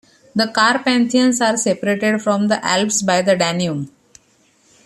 The Carpathians are separated from the Alps by the Danube.